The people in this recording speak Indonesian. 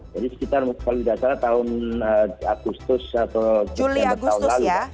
jadi sekitar paling dasarnya tahun agustus atau juli agustus ya